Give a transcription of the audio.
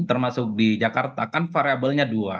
termasuk di jakarta kan variabelnya dua